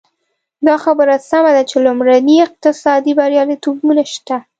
دا خبره سمه ده چې لومړني اقتصادي بریالیتوبونه شته.